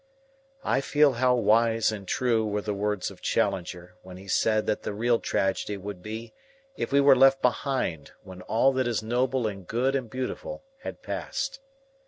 I feel how wise and true were the words of Challenger when he said that the real tragedy would be if we were left behind when all that is noble and good and beautiful had passed.